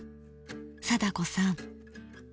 貞子さん。